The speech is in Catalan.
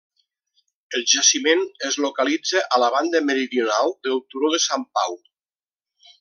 El jaciment es localitza a la banda meridional del turó de Sant Pau.